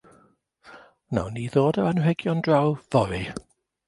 Wnawn ni ddod â'r anrhegion draw fory.